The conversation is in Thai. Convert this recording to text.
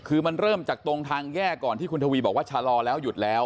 คือมันเริ่มจากตรงทางแยกก่อนที่คุณทวีบอกว่าชะลอแล้วหยุดแล้ว